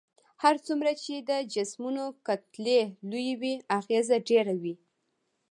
هر څومره چې د جسمونو کتلې لويې وي اغیزه ډیره وي.